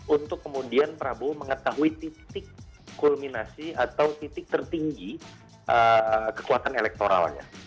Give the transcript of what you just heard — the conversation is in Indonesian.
untuk kemudian prabowo mengetahui titik kulminasi atau titik tertinggi kekuatan elektoralnya